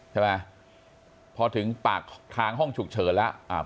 ใช่ไหมพอถึงปากทางห้องฉุกเฉินแล้วอ่า